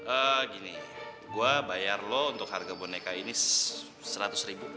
eh gini gue bayar lo untuk harga boneka ini seratus ribu